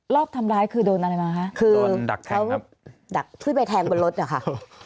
รอบทำร้ายคือโดนอะไรมาครับคือเค้าดักพื้นใบแทงบนรถน่ะค่ะ